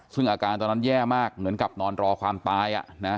ซึ่งอาการตอนนั้นแย่มากเหมือนกับนอนรอความตาย